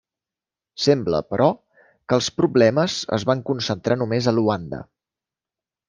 Sembla, però, què els problemes es van concentrar només a Luanda.